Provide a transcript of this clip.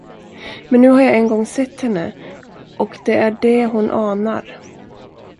Men nu har jag en gång sett henne, och det är det hon anar.